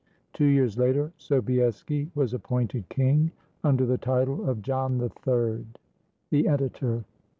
Two years later, Sobieski was appointed king under the title of John III. The Editor.